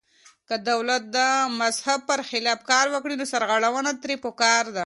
که دولت د مذهب پر خلاف کار وکړي نو سرغړونه ترې پکار ده.